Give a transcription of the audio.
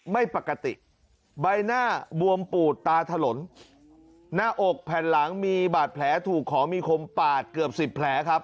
ไม่ปกติใบหน้าบวมปูดตาถลนหน้าอกแผ่นหลังมีบาดแผลถูกของมีคมปาดเกือบสิบแผลครับ